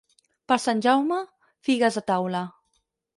Per Sant Jaume, figues a taula.